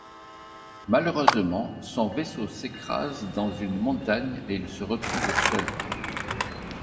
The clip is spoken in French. Malheureusement, son vaisseau s'écrase dans une montagne et il se retrouve seul.